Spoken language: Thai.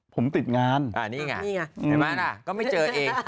ผมติดงานนี่ไงนี่ไงเห็นไหมล่ะก็ไม่เจอเอง